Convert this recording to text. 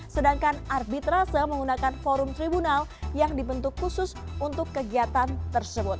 sedangkan arbitrase menggunakan forum tribunal yang dibentuk khusus untuk kegiatan tersebut